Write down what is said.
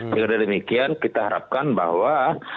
dengan demikian kita harapkan bahwa